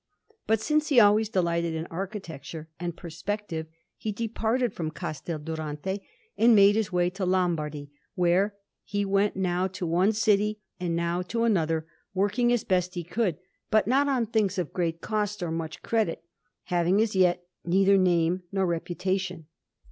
But since he always delighted in architecture and perspective, he departed from Castel Durante, and made his way to Lombardy, where he went now to one city, and now to another, working as best he could, but not on things of great cost or much credit, having as yet neither name nor reputation.